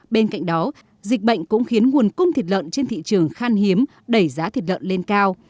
bên cạnh đó dịch bệnh cũng khiến nguồn cung thịt lợn trên thị trường khan hiếm đẩy giá thịt lợn lên cao